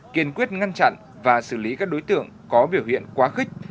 kiên quyết ngăn chặn và xử lý các đối tượng có biểu hiện quá khích